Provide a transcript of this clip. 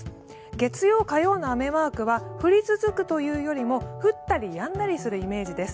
月曜、火曜の雨マークは降り続くというよりも降ったりやんだりするイメージです。